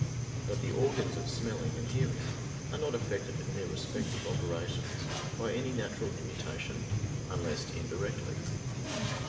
But the organs of smelling and hearing are not affected in their respective operations by any natural immutation unless indirectly.